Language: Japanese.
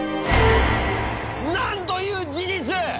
なんという事実！